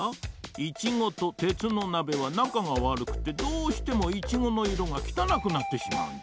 イチゴとてつのなべはなかがわるくてどうしてもイチゴの色がきたなくなってしまうんじゃ。